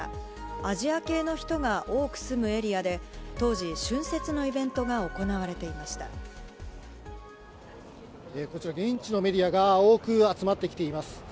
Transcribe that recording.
アジア系の人が多く住むエリアで、当時、春節のイベントが行われてこちら、現地のメディアが多く集まってきています。